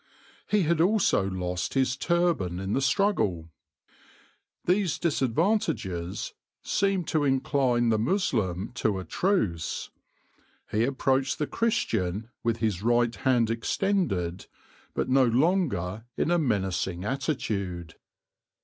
He had also lost his turban in the struggle. These disadvantages seemed to incline the Moslem to a truce: he approached the Christian with his right hand extended, but no longer in a menacing attitude.